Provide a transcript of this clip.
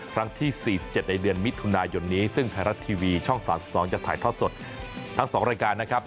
ครั้งที่๔๗ในเดือนมิถุนายนนี้ซึ่งไทยรัฐทีวีช่อง๓๒จะถ่ายทอดสดทั้ง๒รายการนะครับ